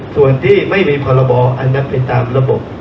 ส่วนที่ไม่มีพรบอันนั้นเป็นตามระบบ